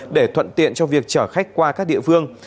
để thuận tiện cho việc chở khách qua các địa phương